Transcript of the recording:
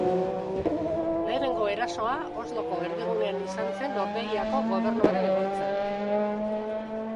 Lehenengo erasoa, Osloko erdigunean izan zen Norvegiako gobernuaren egoitzan.